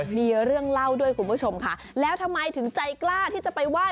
มีเรื่องเล่าด้วยคุณผู้ชมค่ะแล้วทำไมถึงใจกล้าที่จะไปไหว้